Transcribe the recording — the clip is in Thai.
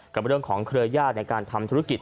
กับเรื่องของเครือญาติในการทำธุรกิจ